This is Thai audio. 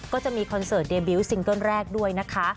ก็จะมีคอนเสิร์ตเดบิวตซิงเกิ้ลแรกด้วยนะคะ